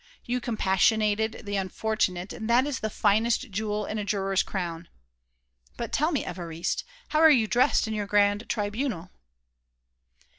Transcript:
You compassionated the unfortunate and that is the finest jewel in a juror's crown.... But tell me, Évariste, how are you dressed in your grand tribunal?"